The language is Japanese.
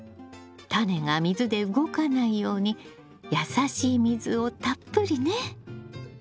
タネが水で動かないように優しい水をたっぷりね。